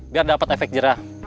biar dapat efek jerah